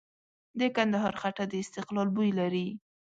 د کندهار خټه د استقلال بوی لري.